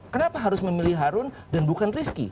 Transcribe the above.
kenapa harus memilih harun dan bukan rizky